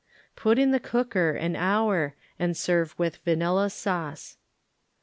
Put in the cooker an hour and serve with vanilla sauce.